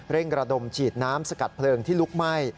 ระดมฉีดน้ำสกัดเพลิงที่ลุกไหม้